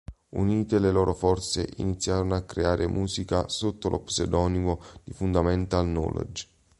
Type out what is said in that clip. Unite le loro forze, iniziarono a creare musica sotto lo pseudonimo Fundamental Knowledge.